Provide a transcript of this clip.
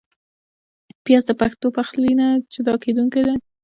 پیاز د پښتو پخلي نه جدا کېدونکی دی